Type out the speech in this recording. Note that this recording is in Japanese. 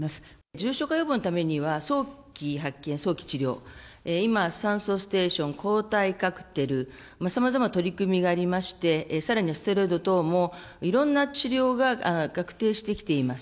重症化予防のためには、早期発見、早期治療、今、酸素ステーション、抗体カクテル、さまざま取り組みがありまして、さらにはステロイド等も、いろんな治療が確定してきています。